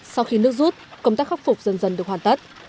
sau khi nước rút công tác khắc phục dần dần được hoàn tất